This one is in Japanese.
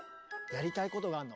やりたいことがあんの。